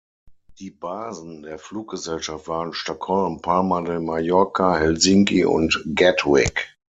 Die Basen der Fluggesellschaft waren Stockholm, Palma de Mallorca, Helsinki und Gatwick.